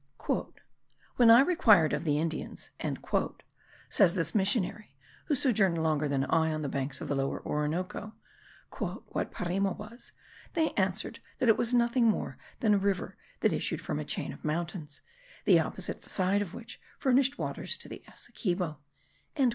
"When I inquired of the Indians," says this missionary, who sojourned longer than I on the banks of the Lower Orinoco, "what Parima was, they answered that it was nothing more than a river that issued from a chain of mountains, the opposite side of which furnished waters to the Essequibo."